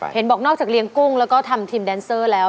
เห็นบอกนอกจากเลี้ยงกุ้งแล้วก็ทำทีมแดนเซอร์แล้ว